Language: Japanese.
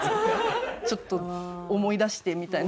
ちょっと思い出してみたいな。